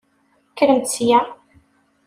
Kkremt sya!